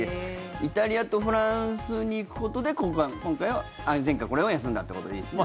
イタリアとフランスに行くことで前回、これは休んだってことでいいですね？